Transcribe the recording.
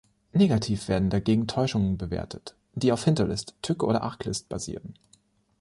Negativ werden dagegen Täuschungen bewertet, die auf Hinterlist, Tücke oder Arglist basieren.